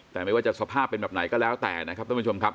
แต่ไม่ว่าจะสภาพเป็นแบบไหนก็แล้วแต่นะครับท่านผู้ชมครับ